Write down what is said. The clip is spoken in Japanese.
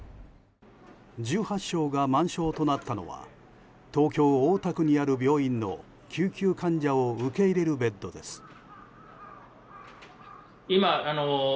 １８床が満床となったのは東京・大田区にある病院の救急患者を受け入れるベッドです。